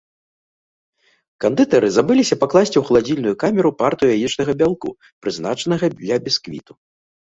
Кандытары забыліся пакласці ў халадзільную камеру партыю яечнага бялку, прызначанага для бісквіту.